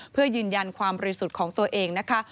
เพื่อยืนยันความรีสุจของต่อเองนะคะ